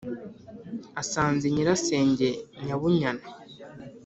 asanze nyirasenge nyabunyana